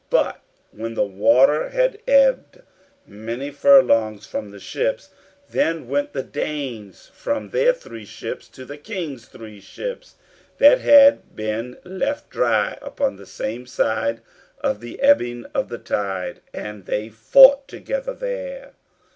But when the water had ebbed many furlongs from the ships, then went the Danes from their three ships to the King's three ships that had been left dry upon the same side by the ebbing of the tide, and they fought together there.